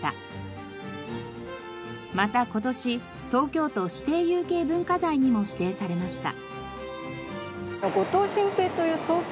また今年東京都指定有形文化財にも指定されました。